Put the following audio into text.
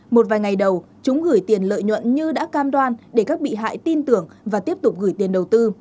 một vài ngày đầu chúng gửi tiền lợi nhuận như đã cam đoan để các bị hại tin tưởng và tiếp tục gửi tiền đầu tư